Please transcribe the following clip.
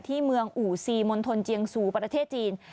ที่เมืองอู่ซีมณฑลเจียงสู่ประเทศจีน